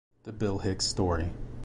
The Bill Hicks Story.